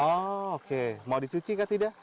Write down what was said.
oh oke mau dicuci atau tidak